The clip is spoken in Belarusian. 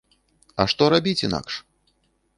А што рабіць інакш?